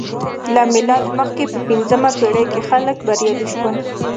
له میلاده مخکې په پنځمه پېړۍ کې خلک بریالي شول